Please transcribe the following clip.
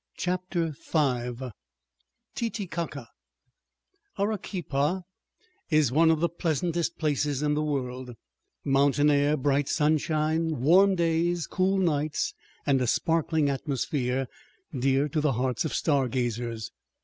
CHAPTER V Titicaca Arequipa is one of the pleasantest places in the world: mountain air, bright sunshine, warm days, cool nights, and a sparkling atmosphere dear to the hearts of star gazers.